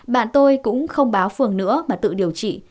bạn tôi cũng không báo phường nữa mà tự điều trị